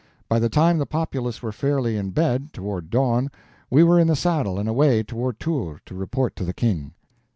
By the time the populace were fairly in bed, toward dawn, we were in the saddle and away toward Tours to report to the King.